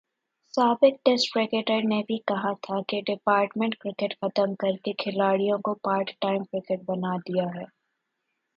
سابق test cricketer نے بھی کہا تھا کہ ڈپارٹمنٹ کرکٹ ختم کر کے کھلاڑیوں کو پارٹ ٹائم کرکٹر بنادیا ہے۔